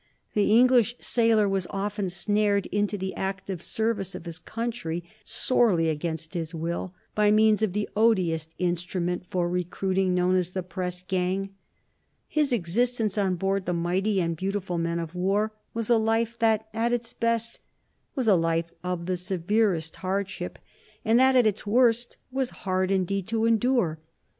The English sailor was often snared into the active service of his country sorely against his will by means of the odious instrument for recruiting known as the press gang. His existence on board the mighty and beautiful men of war was a life that at its best was a life of the severest hardship, and that at its worst was hard indeed to endure.